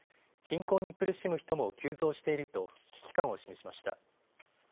貧困に苦しむ人も急増していると危機感を示しました。